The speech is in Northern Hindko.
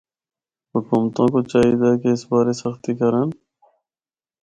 حکومتاں کو چاہیدا کہ اس بارے سختی کرن۔